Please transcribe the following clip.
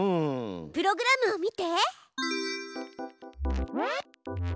プログラムを見て！